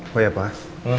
kok ya pak